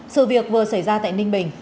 sự việc vừa xảy ra tại ninh bình